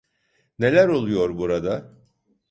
Neler oluyor burada?